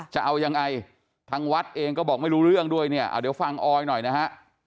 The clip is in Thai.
จะเอายังไงทางวัดเองก็บอกไม่รู้เรื่องด้วยเนี่ยเดี๋ยวฟังออยหน่อยนะฮะ